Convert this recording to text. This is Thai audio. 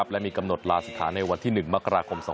และมีกำหนดลาสถานในวันที่๑มกราคม๒๕๖